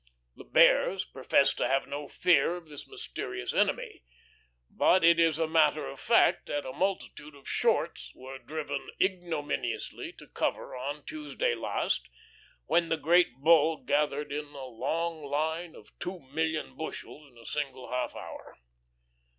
The Bears profess to have no fear of this mysterious enemy, but it is a matter of fact that a multitude of shorts were driven ignominiously to cover on Tuesday last, when the Great Bull gathered in a long line of two million bushels in a single half hour.